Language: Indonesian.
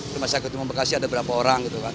di masyarakat tumang bekasi ada berapa orang gitu kan